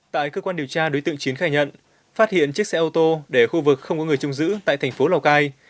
tại cơ quan điều tra đối tượng chiến khai nhận phát hiện chiếc xe ô tô để ở khu vực không có người chung giữ tại tp lào cai